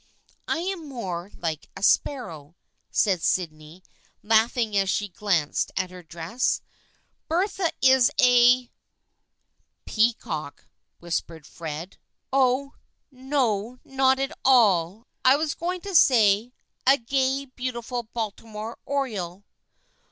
" I am more like a sparrow," said Sydney laughing as she glanced at her dress. " Bertha is a "" Peacock," whispered Fred. 166 THE FKIENDSHIP OF ANNE " Oh, no, not at all. I was going to say, a gay beautiful Baltimore oreole."